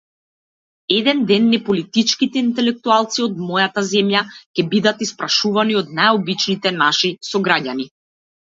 Еден ден неполитичките интелектуалци од мојата земја ќе бидат испрашувани од најобичните наши сограѓани.